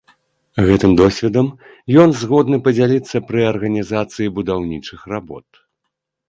Гэтым досведам ён згодны падзяліцца пры арганізацыі будаўнічых работ.